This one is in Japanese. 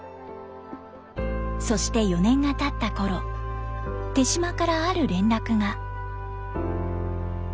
そして４年がたったころ手島からある連絡が。